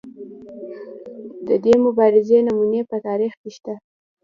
د دې مبارزې نمونې په تاریخ کې شته.